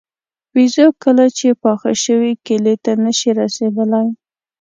بېزو کله چې پاخه شوي کیلې ته نه شي رسېدلی.